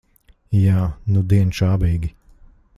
Jā, nudien čābīgi.